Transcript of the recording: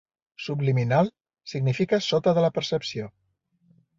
Subliminal significa sota de la percepció.